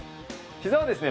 ひざはですね